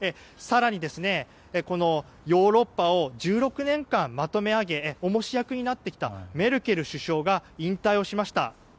更に、ヨーロッパを１６年間まとめ上げ重し役になってきたメルケル首相が引退しました。